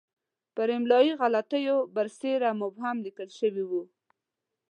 پر املایي غلطیو برسېره مبهم لیکل شوی وو.